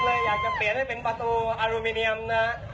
เลยอยากจะเปลี่ยนให้เป็นประตูอลูมิเนียมนะ